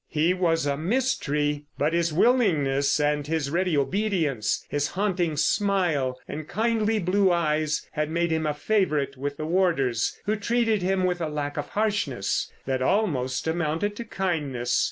He was a mystery, but his willingness and his ready obedience, his haunting smile and kindly blue eyes, had made him a favourite with the warders, who treated him with a lack of harshness that almost amounted to kindness.